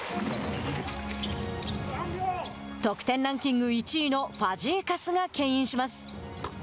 得点ランキング１位のファジーカスがけん引します。